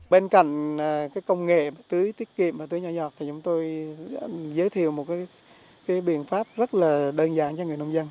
bên cạnh công nghệ tưới tiết kiệm và tưới nhỏ giọt thì chúng tôi giới thiệu một biện pháp rất là đơn giản cho người nông dân